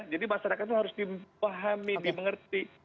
jadi masyarakat itu harus dipahami dipengerti